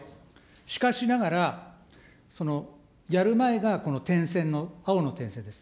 しかしながら、やる前がこの点線の青の点線です。